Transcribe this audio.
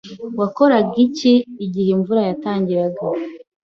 Wakoraga iki igihe imvura yatangiraga?